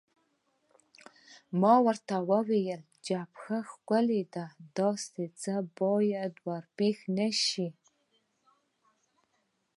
ما ورته وویل: جبهه خو ښکلې ده، داسې څه باید نه وای پېښ شوي.